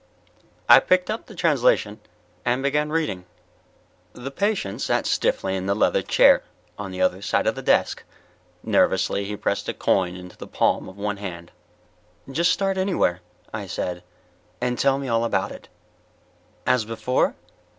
I picked up the translation and began reading. The patient sat stiffly in the leather chair on the other side of the desk. Nervously he pressed a coin into the palm of one hand. "Just start anywhere," I said, "and tell me all about it." "As before?"